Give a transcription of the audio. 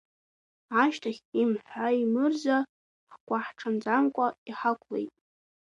Ашьҭахь имҳәаимырза ҳгәаҳҽанӡамкәа иҳақәлеит.